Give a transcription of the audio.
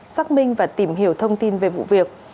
xác minh và tìm hiểu thông tin về vụ việc